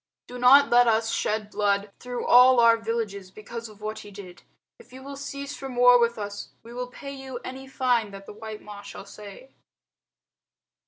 Do not let us shed blood through all our villages because of what he did. If you will cease from war with us, we will pay to you any fine that the white Ma shall say."